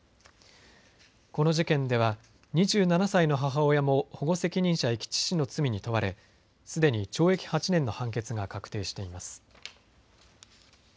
この事件では２７歳の母親も保護責任者遺棄致死の罪に問われすでに懲役８年の判決が確定しています。